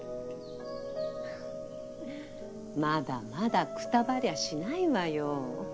まだまだくたばりゃしないわよ。